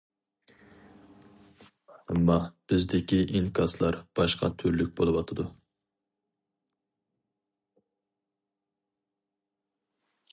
ئەمما بىزدىكى ئىنكاسلار باشقا تۈرلۈك بولۇۋاتىدۇ.